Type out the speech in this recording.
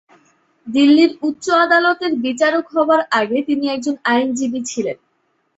দিল্লির উচ্চ আদালতের বিচারক হওয়ার আগে তিনি একজন আইনজীবী ছিলেন।